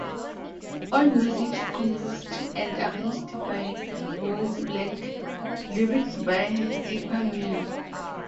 All music composed and arranged by Boris Blank, lyrics by Dieter Meier.